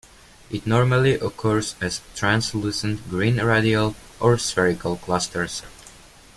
It normally occurs as translucent green radial or spherical clusters.